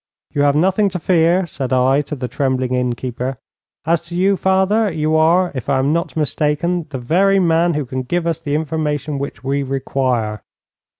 'You have nothing to fear,' said I, to the trembling innkeeper. 'As to you, father, you are, if I am not mistaken, the very man who can give us the information which we require.'